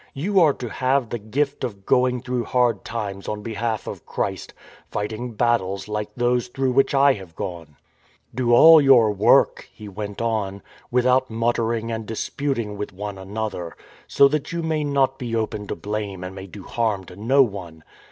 You FINDING A SON 169 are to have the gift of going through hard times on behalf of Christ, fighting battles like those through which I have gone." " Do all your work," he went on, " without mut tering and disputing with one another; so that you may not be open to blame and may do harm to no one.